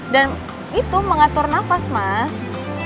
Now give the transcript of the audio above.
dan itu mengatur nafas mas